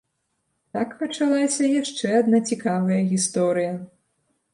Так пачалася яшчэ адна цікавая гісторыя.